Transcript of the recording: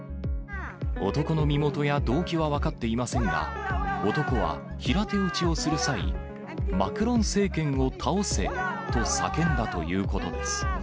男の身元や動機は分かっていませんが、男は平手打ちをする際、マクロン政権を倒せ！と叫んだということです。